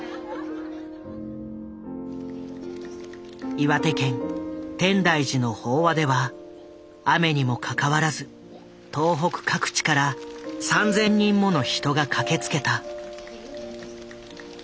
岩手県天台寺の法話では雨にもかかわらず東北各地から３，０００人もの人が駆けつけた。